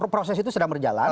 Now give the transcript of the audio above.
proses itu sedang berjalan